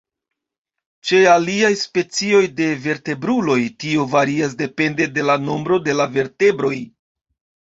Ĉe aliaj specioj de vertebruloj tio varias depende de la nombro de la vertebroj.